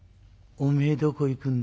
「おめえどこ行くんだ？」。